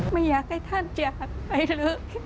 ไม่อยากให้ท่านจากไปเถอะ